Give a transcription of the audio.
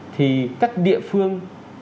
thì các địa phương